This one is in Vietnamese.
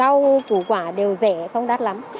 rau củ quả đều rẻ không đắt lắm